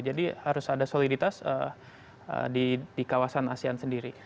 jadi harus ada soliditas di kawasan asean sendiri